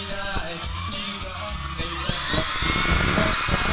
ผู้หญิงที่กรุงเชพก็อ่ะ